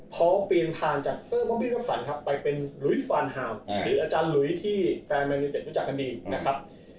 เปลี่ยนผ่านจากเซอร์บอบบี้รับสันครับไปเป็นลุยฟานฮามหรืออาจารย์หลุยที่แฟนแมนยูเต็ดรู้จักกันดีนะครับ